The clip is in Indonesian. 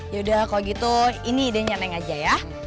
yaudah kalau gitu ini idenya neng aja ya